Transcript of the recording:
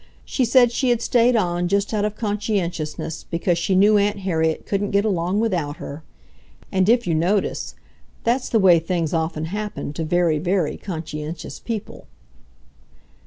She said she had stayed on just out of conscientiousness because she knew Aunt Harriet couldn't get along without her! And if you notice, that's the way things often happen to very, very conscientious people.